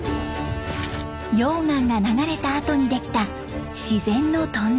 溶岩が流れたあとにできた自然のトンネル。